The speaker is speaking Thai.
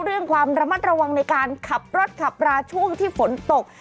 เรื่องความระมัดระวังในการขับรถขับราช่วงที่ฝนตก